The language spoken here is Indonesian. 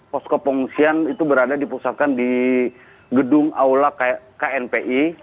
posko pengungsian itu berada dipusatkan di gedung aula knpi